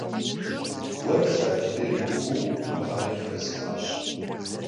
Vue plha cıder yi'ığıu Muhemed mez k'uaş.